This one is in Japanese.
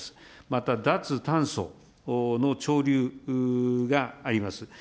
また、脱炭素の潮流があります。